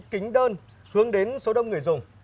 kính đơn hướng đến số đông người dùng